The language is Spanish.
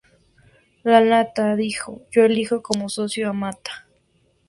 Lanata dijo “Yo elegí como socio a Mata.